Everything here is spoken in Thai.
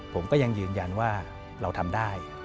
ผมก็ยังยืนยันว่าเราทำได้